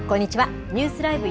ニュースＬＩＶＥ！